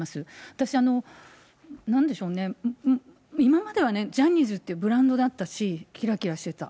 私、なんでしょうね、今まではジャニーズっていうブランドだったし、きらきらしてた。